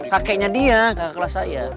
kakeknya dia kakak kelas saya